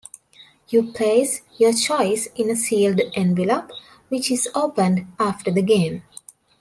You place your choice in a sealed envelope, which is opened after the game.